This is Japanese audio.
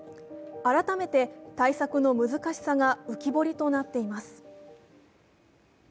改めて対策の難しさが浮き彫りとなっています。